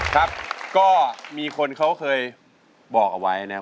ครับก็มีคนเขาเคยบอกเอาไว้นะครับ